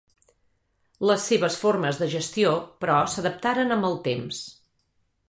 Les seves formes de gestió, però s'adaptaren amb el temps.